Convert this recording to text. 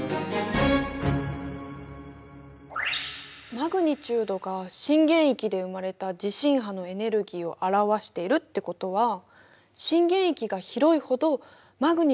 マグニチュードが震源域で生まれた地震波のエネルギーを表しているってことは震源域が広いほどマグニチュードも大きいってこと？